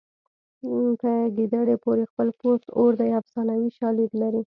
په ګیدړې پورې خپل پوست اور دی افسانوي شالید لري